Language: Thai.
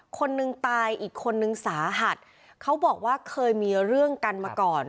คนนึงตายอีกคนนึงสาหัสเขาบอกว่าเคยมีเรื่องกันมาก่อน